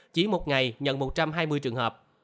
chỉ một ngày nhận một trăm hai mươi trường hợp